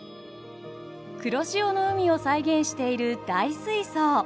黒潮の海を再現している大水槽！